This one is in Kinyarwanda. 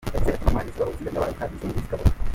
Yagize ati “Intwari zibaho zigatabaruka, izindi zikavuka.